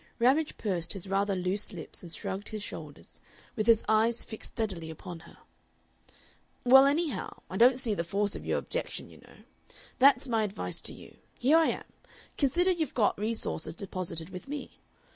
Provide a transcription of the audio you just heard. Ramage pursed his rather loose lips and shrugged his shoulders, with his eyes fixed steadily upon her. "Well anyhow I don't see the force of your objection, you know. That's my advice to you. Here I am. Consider you've got resources deposited with me.